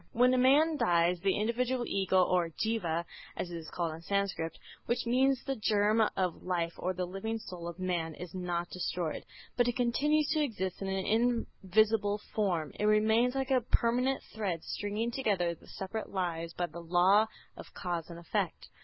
When a man dies the individual ego or Jîva (as it is called in Sanskrit), which means the germ of life or the living soul of man, is not destroyed, but it continues to exist in an invisible form. It remains like a permanent thread stringing together the separate lives by the law of cause and effect.